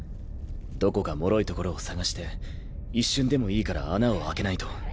どこかもろい所を探して一瞬でもいいから穴を開けないと。